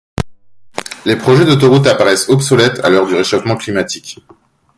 Les projets d'autoroutes apparaissent obsolètes, à l'heure du réchauffement climatique.